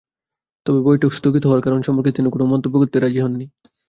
তবে বৈঠক স্থগিত হওয়ার কারণ সম্পর্কে তিনি কোনো মন্তব্য করতে রাজি হননি।